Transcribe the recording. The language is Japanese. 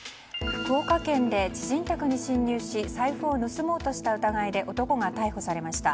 福岡県で知人宅に侵入し財布を盗もうとした疑いで男が逮捕されました。